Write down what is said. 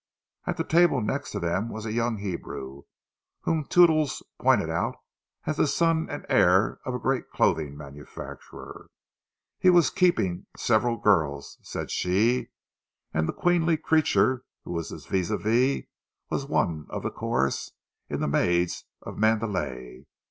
At the table next to them was a young Hebrew, whom Toodles pointed out as the son and heir of a great clothing manufacturer. He was "keeping" several girls, said she; and the queenly creature who was his vis a vis was one of the chorus in "The Maids of Mandalay."